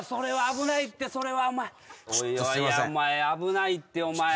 危ないってお前。